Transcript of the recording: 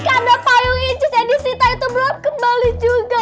karena payung inces yang disita itu belum kembali juga